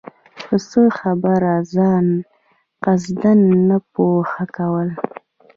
په څۀ خبره ځان قصداً نۀ پوهه كول